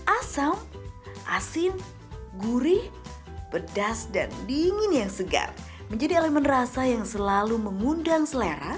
asam asin gurih pedas dan dingin yang segar menjadi elemen rasa yang selalu mengundang selera